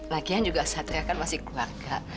lagian juga satria kan masih keluarga